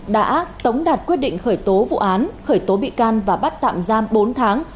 đã tống đạt quyết định khởi tố vụ án khởi tố bị can và bắt tạm giam bốn tháng